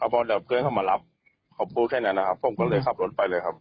พอแล้วเพื่อนเขามารับเขาพูดแค่นั้นนะครับผมก็เลยขับรถไปเลยครับ